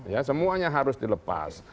ya semuanya harus dilepas